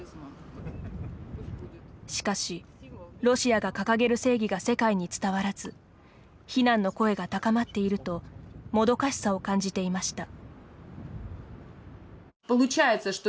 しかし、ロシアが掲げる正義が世界に伝わらず非難の声が高まっているともどかしさを感じていました。